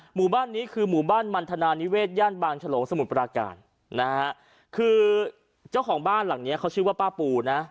หมู่บ้านนี้คือหมู่บ้านมันธนานิเวศย่านบางฉลงสมุทรปราการนะฮะคือเจ้าของบ้านหลังเนี้ยเขาชื่อว่าป้าปูนะ